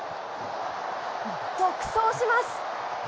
独走します。